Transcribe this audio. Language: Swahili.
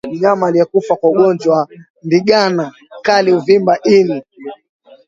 Mnyama aliyekufa kwa ugonjwa wa ndigana kali huvimba ini